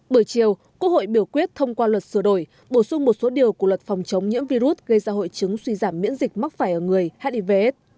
bữa chiều quốc hội biểu quyết thông qua luật sửa đổi bổ sung một số điều của luật phòng chống nhiễm virus gây ra hội chứng suy giảm miễn dịch mắc phải ở người hivs